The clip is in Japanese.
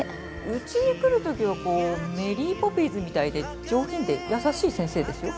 「うちに来るときはこうメリー・ポピンズみたいで上品で優しい先生ですよ」